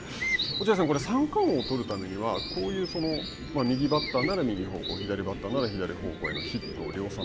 落合さん、三冠王を取るためには、右バッターなら右方向左バッターなら左方向へのヒット量産